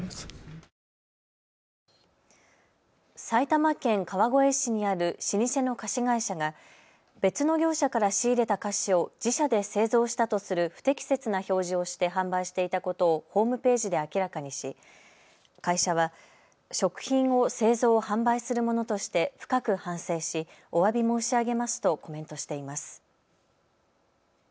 埼玉県川越市にある老舗の菓子会社が別の業者から仕入れた菓子を自社で製造したとする不適切な表示をして販売していたことをホームページで明らかにし会社は食品を製造・販売する者として深く反省しおわび申し上げますとコメントしています。